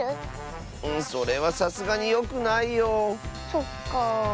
そっか。